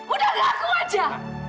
udah ngaku aja